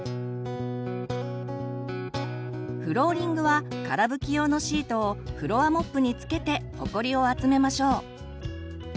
フローリングはから拭き用のシートをフロアモップに付けてほこりを集めましょう。